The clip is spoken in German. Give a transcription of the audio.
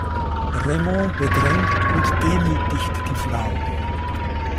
Raymond bedrängt und demütigt die Frau.